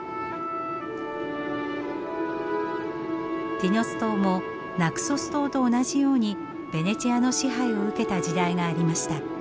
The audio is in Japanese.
ティノス島もナクソス島と同じようにベネチアの支配を受けた時代がありました。